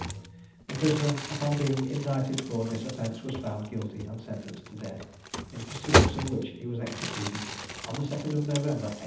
The prisoner upon being indicted for this offence was found guilty and sentenced to death, in pursuance of which he was executed on the 2nd November 1811.